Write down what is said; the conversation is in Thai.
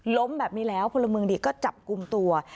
ล้มแบบนี้แล้วพลเมืองดีก็จับกลุ่มตัว